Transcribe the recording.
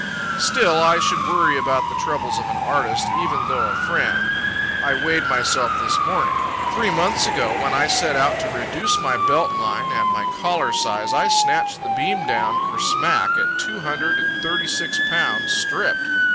Still, I should worry about the troubles of an artist, even though a friend. I weighed myself this morning. Three months ago, when I set out to reduce my belt line and my collar size, I snatched the beam down ker smack at two hundred and thirty six pounds, stripped.